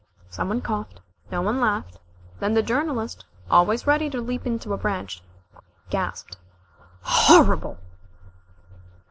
Some one coughed. No one laughed. Then the Journalist, always ready to leap into a breach, gasped: "Horrible!"